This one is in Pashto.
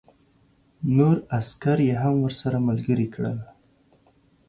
نور عسکر یې هم ورسره ملګري کړل